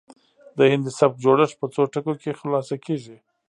د هندي سبک جوړښت په څو ټکو کې خلاصه کیږي